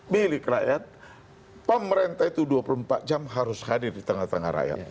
milik rakyat pemerintah itu dua puluh empat jam harus hadir di tengah tengah rakyat